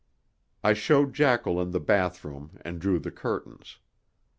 I showed Jacqueline the bathroom and drew the curtains.